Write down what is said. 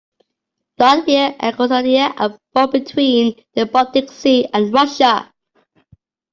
Latvia and Estonia are both between the Baltic Sea and Russia.